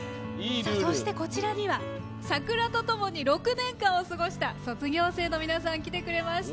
そして、こちらには桜とともに６年間を過ごした卒業生の皆さん、来てくれました。